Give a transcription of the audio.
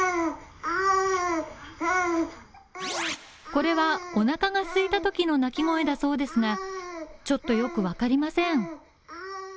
これはおなかがすいたときの泣き声だそうですが、ちょっとよく分かりません。